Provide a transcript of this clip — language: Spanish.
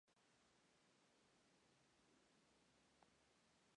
Pero no tenía un modelo de trabajo para demostrar la factibilidad de estas ideas.